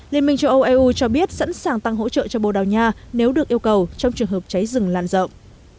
liên minh châu âu eu cho biết sẵn sàng tăng hỗ trợ cho bồ đào nha nếu được yêu cầu trong trường hợp cháy rừng lan rộng